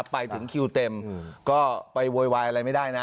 ไปถึงคิวเต็มก็ไปโวยวายอะไรไม่ได้นะ